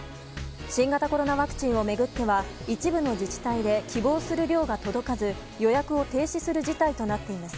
新型コロナワクチンを巡っては一部の自治体で希望する量が届かず予約を停止する事態となっています。